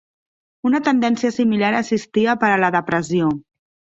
Una tendència similar existia per a la depressió.